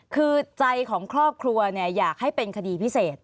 คือใจของครอบครัวอยากให้เป็นคดีพิเศษ